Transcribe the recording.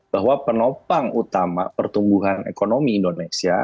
bahwa penopang utama pertumbuhan ekonomi indonesia